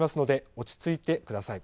落ち着いてください。